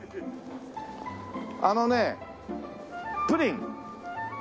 あのねプリン！